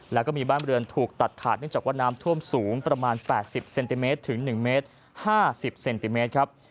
แล้วก็มีบ้านเรือนถูกตัดขาดเนื่องจากว่าน้ำท่วมสูงประมาณ๘๐เซนติเมตรถึง๑เมตร๕๐เซนติเมตรครับ